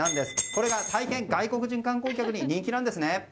これが大変外国人観光客に人気なんですね。